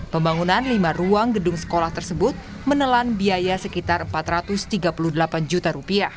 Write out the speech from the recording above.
pembangunan lima ruang gedung sekolah tersebut menelan biaya sekitar rp empat ratus tiga puluh delapan juta